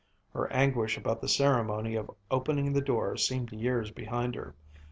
Her anguish about the ceremony of opening the door seemed years behind her.